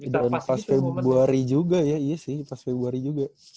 dan pas februari juga ya iya sih pas februari juga